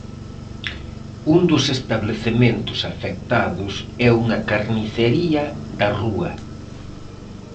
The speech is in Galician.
Un dos establecementos afectados é unha carnicería da Rúa.